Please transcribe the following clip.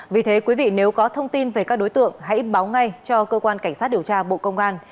vì thế quý vị nếu có thông tin về các đối tượng hãy báo ngay cho cơ quan cảnh sát điều tra bộ công an